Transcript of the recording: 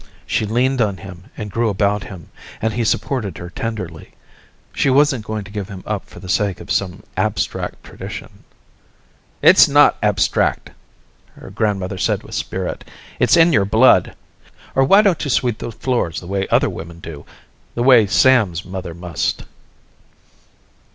She leaned on him and grew about him, and he supported her tenderly. She wasn't going to give him up for the sake of some abstract tradition " it's not abstract," her grandmother said with spirit. "It's in your blood. Or why don't you sweep the floors the way other women do? The way Sam's mother must?"